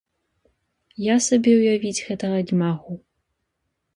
Я сабе ўявіць гэтага не магу.